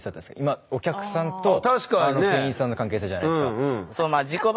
今お客さんと店員さんの関係性じゃないですか。